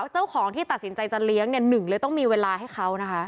เจ้าของที่ตัดสินใจจะเลี้ยงเนี่ยหนึ่งเลยต้องมีเวลาให้เขานะคะ